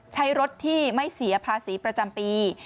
ใช้รถที่ไม่เสียภาษีประจำปี